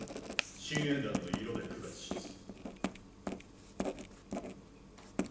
信煙弾の色で区別します。